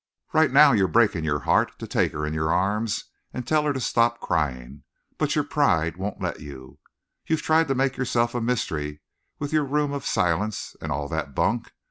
"Right now you're breaking your heart to take her in your arms and tell her to stop crying, but your pride won't let you. "You tried to make yourself a mystery with your room of silence and all that bunk.